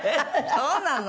そうなの？